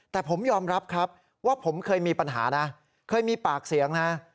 แต่ผมยอมรับครับว่าผมเคยมีปัญหานะเคยมีปากเสียงนะ